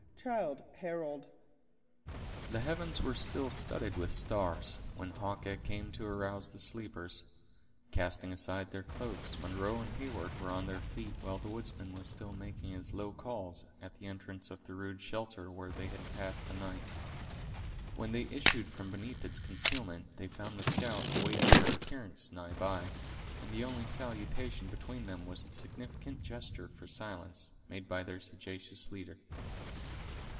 —Childe Harold The heavens were still studded with stars, when Hawkeye came to arouse the sleepers. Casting aside their cloaks Munro and Heyward were on their feet while the woodsman was still making his low calls, at the entrance of the rude shelter where they had passed the night. When they issued from beneath its concealment, they found the scout awaiting their appearance nigh by, and the only salutation between them was the significant gesture for silence, made by their sagacious leader.